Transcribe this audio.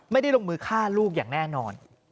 ไม่ได้ลงมือฆ่าลูกอย่างแน่นอน